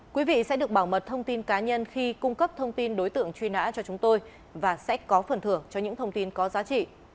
quý vị sẽ được bảo mật thông tin cá nhân khi cung cấp thông tin đối tượng truy nã cho chúng tôi và sẽ có phần thưởng cho những thông tin có giá trị